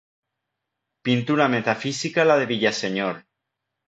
Pintura metafísica la de Villaseñor.